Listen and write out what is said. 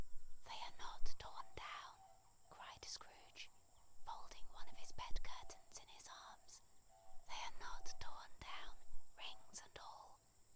"They are not torn down," cried Scrooge, folding one of his bed curtains in his arms, "they are not torn down, rings and all.